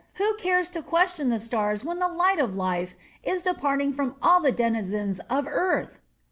Who cares to question the stars when the light of life is departing from all the denizens of earth!"